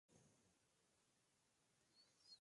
Habita en Mozambique, Tanzania y Zimbabue.